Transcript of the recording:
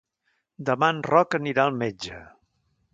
Demà en Roc anirà al metge.